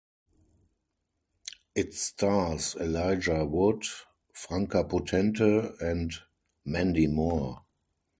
It stars Elijah Wood, Franka Potente and Mandy Moore.